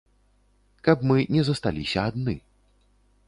Каб мы не засталіся адны.